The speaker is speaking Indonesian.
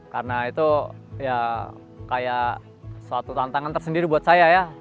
karena itu ya kayak suatu tantangan tersendiri buat saya ya